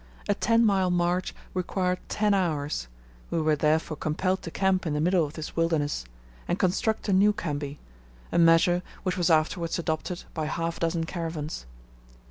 A ten mile march required ten hours, we were therefore compelled to camp in the middle of this wilderness, and construct a new khambi, a measure which was afterwards adopted by half a dozen caravans.